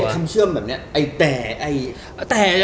เกลียดคำเชื่อมแบบเนี่ยไอ้แต่ไอ้แต่เติม